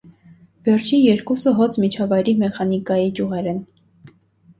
Վերջին երկուսը հոծ միջավայրի մեխանիկայի ճյուղեր են։